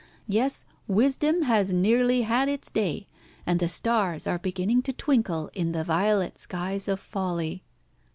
Yes, wisdom has nearly had its day, and the stars are beginning to twinkle in the violet skies of folly.